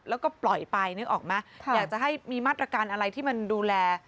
แล้วก็ปล่อยไปนึกออกไหมอยากจะให้มีมาตรการอะไรที่มันดูแล